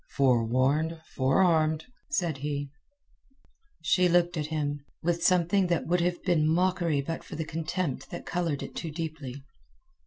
"Forewarned, forearmed," said he. She looked at him, with something that would have been mockery but for the contempt that coloured it too deeply.